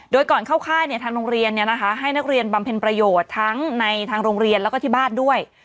โดยก่อนเข้าค่ายทางโรงเรียนให้นักเรียนบำเพ็ญประโยชน์ทั้งในทางโรงเรียนแล้วก็ที่บ้านด้วย